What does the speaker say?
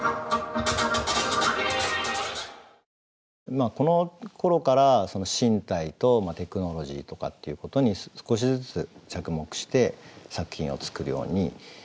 まあこのころから身体とテクノロジーとかっていうことに少しずつ着目して作品を作るようになります。